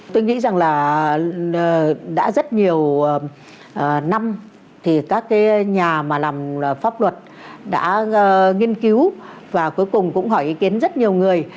tôi nghĩ rằng là đã rất nhiều năm thì các cái nhà mà làm pháp luật đã nghiên cứu và cuối cùng cũng hỏi ý kiến rất nhiều người